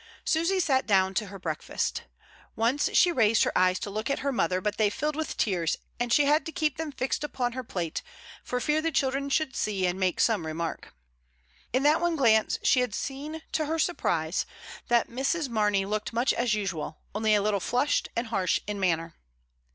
Susy sat down to her breakfast Once she raised her eyes to look at her mother, but they AFTERWARDS. 1 1 7 filled with tearsj and she had to keep them fixed upon her plate, for fear the children should see and make some remark. In that one glance she had seen, to her surprise, that Mrs. Mamey looked much as usual, only a little flushed and harsh in manner.